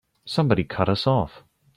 Somebody cut us off!